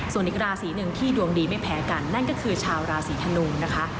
ส่วนอีกราศีหนึ่งที่ดวงดีไม่แพ้กันนั่นก็คือชาวราศีธนูนะคะ